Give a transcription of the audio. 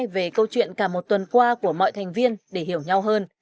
về câu chuyện cả một tuần qua của mọi thành viên để hiểu nhau hơn